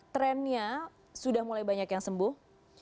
trendnya sudah mulai banyak yang sembuh